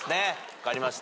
分かりました。